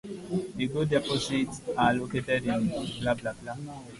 The gold deposits are located in Miocene to Pliocene volcanic andesite host rocks.